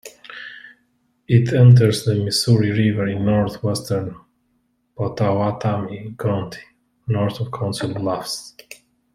It enters the Missouri River in northwestern Pottawattamie County, north of Council Bluffs.